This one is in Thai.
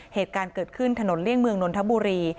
เหตุการณ์เกิดขึ้นถนนเลี่ยงเมืองนนทบุรี